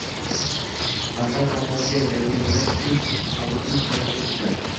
Qarg‘a xulosalariga yakun yasash uchun tovusni qidirib ketibdi